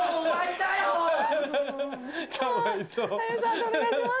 判定お願いします。